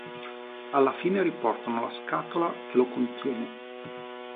Alla fine riportano la scatola che lo contiene.